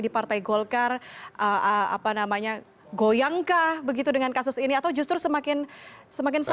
di partai golkar apa namanya goyangkah begitu dengan kasus ini atau justru semakin semakin sulit